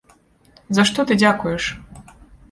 За што ты дзякуеш?